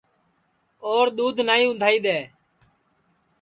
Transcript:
اور دؔودھ نائی اُندھائی دؔے